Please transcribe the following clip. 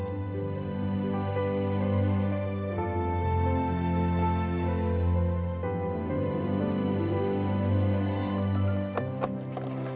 makasih ya kek